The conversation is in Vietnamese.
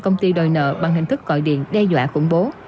công ty đòi nợ bằng hình thức gọi điện đe dọa khủng bố